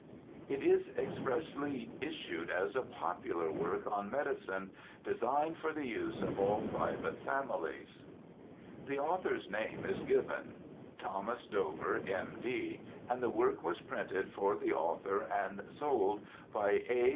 It is expressly issued as a popular work on medicine. Designed for the Use of all Private Families. The author's name is given, Thomas Dover, M.D., and the work was printed for the author and sold by A.